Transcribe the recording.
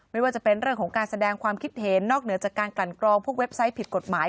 ไม่ว่าจะเป็นเรื่องของการแสดงความคิดเห็นนอกเหนือจากการกลั่นกรองพวกเว็บไซต์ผิดกฎหมาย